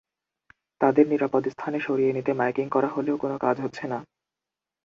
তাদের নিরাপদ স্থানে সরিয়ে নিতে মাইকিং করা হলেও কোনো কাজ হচ্ছে না।